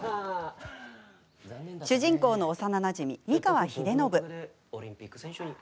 主人公の幼なじみ美川秀信。